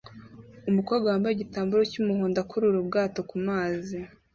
Umukobwa wambaye igitambaro cy'umuhondo akurura ubwato kumazi